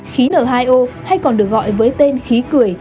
khí n hai o hay còn được gọi với tên khí cười